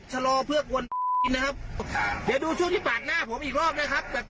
ชะลอเพื่อกวนกินนะครับเดี๋ยวดูช่วงที่ปาดหน้าผมอีกรอบนะครับแบบ